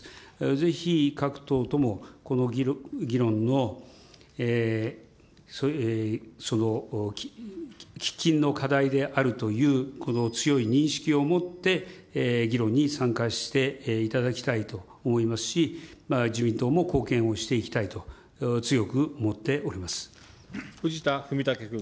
ぜひ、各党ともこの議論の、喫緊の課題であるという、強い認識を持って議論に参加していただきたいと思いますし、自民党も貢献をしていきたいと、藤田文武君。